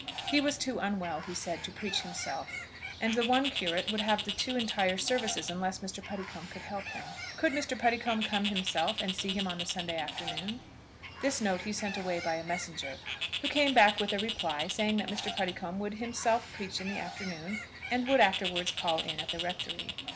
He was too unwell, he said, to preach himself, and the one curate would have the two entire services unless Mr. Puddicombe could help him. Could Mr. Puddicombe come himself and see him on the Sunday afternoon? This note he sent away by a messenger, who came back with a reply, saying that Mr. Puddicombe would himself preach in the afternoon, and would afterwards call in at the rectory.